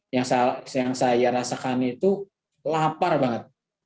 yang saya rasakan itu lapar banget